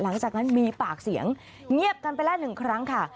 หลังจากนั้นมีปากเสียงเงียบกันไปแล้วหนึ่งครั้งค่ะ